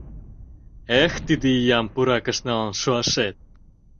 «Эх, тиде иям пуракыш налын шуашет!»